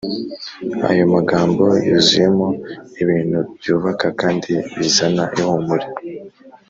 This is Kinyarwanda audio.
” ayo magambo yuzuyemo ibintu byubaka kandi bizana ihumure